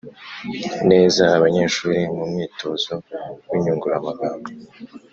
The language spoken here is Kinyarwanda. neza abanyeshuri mu mwitozo w’inyunguramagambo.